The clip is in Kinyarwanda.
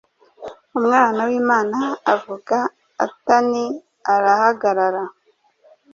Umwana wImana avuga, atani arahagarara